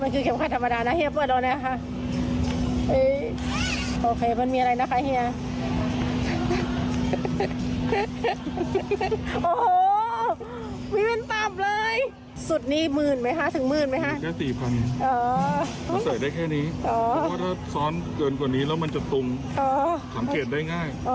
เดี๋ยวถ่ายหน้าเขาน่ะเดี๋ยวเมียเขาเห็น